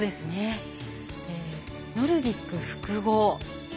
ノルディック複合。